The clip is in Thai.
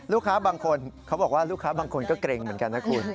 ลูกค้าบางคนเขาบอกว่าลูกค้าบางคนก็เกรงเหมือนกันนะคุณ